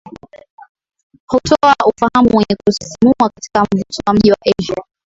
Hutoa ufahamu wenye kusisimua katika mvuto wa mji wa Asia